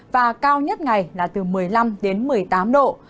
và cao nhất ngày là từ một mươi năm đến một mươi tám độ